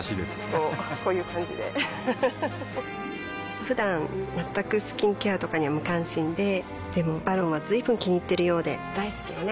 こうこういう感じでうふふふだん全くスキンケアとかに無関心ででも「ＶＡＲＯＮ」は随分気にいっているようで大好きよね